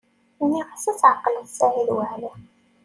Nniɣ-as ad tɛeqleḍ Saɛid Waɛli.